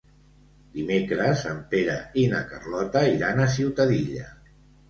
Dimecres en Pere i na Carlota iran a Ciutadilla.